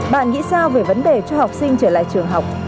bạn nghĩ sao về vấn đề cho học sinh trở lại trường học